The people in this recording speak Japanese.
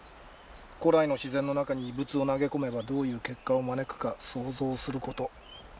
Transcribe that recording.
古来の自然の中に異物を投げ込めばどういう結果を招くか想像すること。